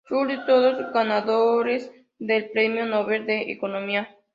Schultz, todos ganadores del Premio Nobel de Economía.